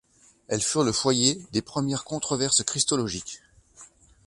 Elles furent le foyer des premières controverses christologiques.